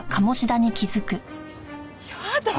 やだ！